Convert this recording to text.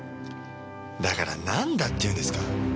だからなんだって言うんですか。